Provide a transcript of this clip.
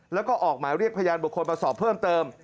แล้วก็ออกหมายเรียกพยานบุคคลมาสอบเพิ่มเติม